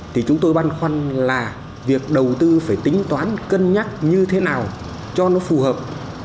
thì chúng tôi băn khoăn là việc đầu tư phải tính toán cân nhắc như thế nào cho nó phù hợp